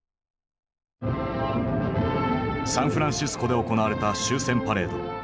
サンフランシスコで行われた終戦パレード。